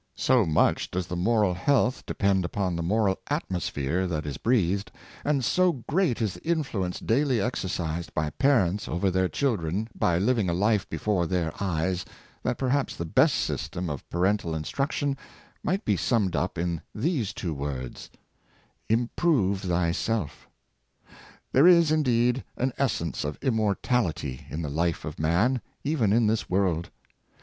So much does the moral health depend upon the moral atmosphere that is breathed, and so great is the influ ence daily exercised by parents over their children by living a life before their eyes, that perhaps the best system of parental instruction might be summed up in these two v^ords: " Improve thyself" There is, indeed, an essence of immortality in the Itfe of man, even in this world.